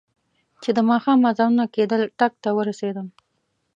چې د ماښام اذانونه کېدل ټک ته ورسېدم.